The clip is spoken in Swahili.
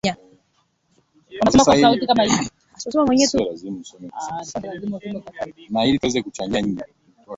Hii ni ziara yake ya kwanza kuja Morogoro tangu ashike wadhifa huo wa Urais